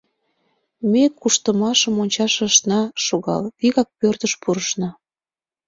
Ме куштымашым ончаш ышна шогал, вигак пӧртыш пурышна.